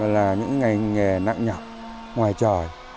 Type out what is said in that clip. là những ngành nghề nặng nhọc ngoài tròi